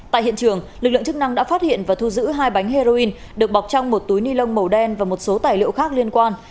tại hiện trường lực lượng chức năng đã phát hiện và thu giữ hai bánh heroin được bọc trong một túi ni lông màu đen và một số tài liệu khác liên quan